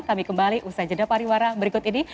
kami kembali usai jeda pariwara berikut ini